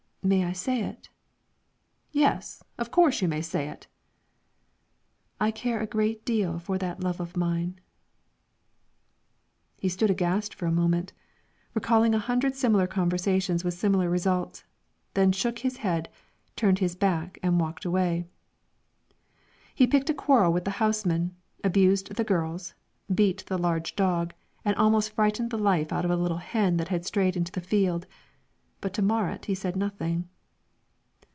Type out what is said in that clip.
"May I say it?" "Yes; of course you may say it." "I care a great deal for that love of mine." He stood aghast for a moment, recalling a hundred similar conversations with similar results, then he shook his head, turned his back, and walked away. He picked a quarrel with the housemen, abused the girls, beat the large dog, and almost frightened the life out of a little hen that had strayed into the field; but to Marit he said nothing.